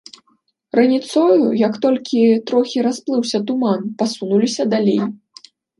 Раніцою, як толькі трохі расплыўся туман, пасунуліся далей.